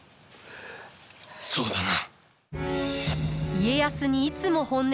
そうだな。